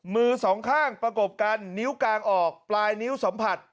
มือสองข้างประกบกันนิ้วกลางออกปลายนิ้วสัมผัส